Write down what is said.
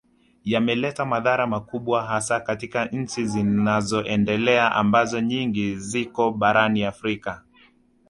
Yameleta madhara makubwa hasa katika nchi zinazoendelea ambazo nyingi ziko barani Afrika